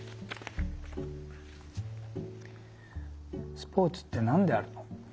「スポーツってなんであるの？」